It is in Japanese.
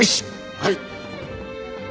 はい！